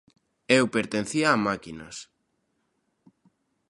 Eu pertencía a máquinas.